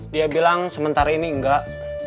dia bilang sementara ini enggak